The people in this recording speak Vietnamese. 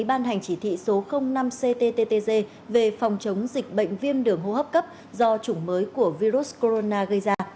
ký bàn hành chỉ thị số năm ctttg về phòng chống dịch bệnh viêm đường hô hấp cấp do chủng mới của virus corona gây ra